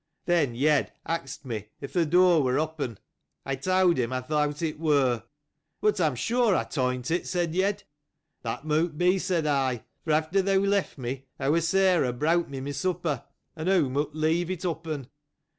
Then, Yed asked me, if the door was open. I told him I thought it was. But, I am sure I fastened it, said Yed. That might be, for after thou left me, our Sarah brought me my supper ; and she might have left it open.